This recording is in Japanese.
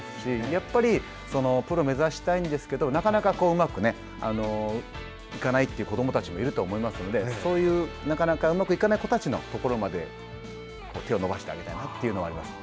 やっぱりプロを目指したいんですけどなかなかうまくいかないという子どもたちも言うと思いますのでそういうなかなかうまくいかない子たちのところまで手を伸ばしてあげたいなというのはあります。